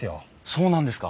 そうなんですか？